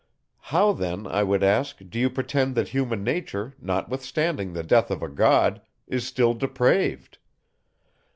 How then, I would ask, do you pretend that human nature, notwithstanding the death of a God, is still depraved?